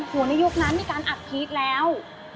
ในยุคนั้นมีการอัดพีชแล้ว